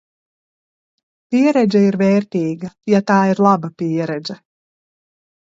Pieredze ir vērtīga, ja tā ir laba pieredze.